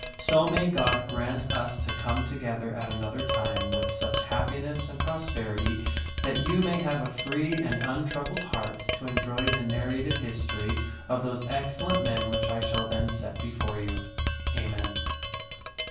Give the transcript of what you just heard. So may God grant us to come together at another time with such happiness and prosperity that you may have a free and untroubled heart to enjoy the nar rated history of those excellent men which I shall then set before you. Amen.